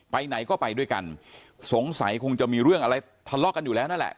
ไปไหนก็ไปด้วยกันสงสัยคงจะมีเรื่องอะไรทะเลาะกันอยู่แล้วนั่นแหละ